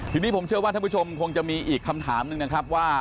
ทีนี้ผมเชื่อว่าท่านผู้ชมคงจะมีอีกคำถามหนึ่งนะครับว่า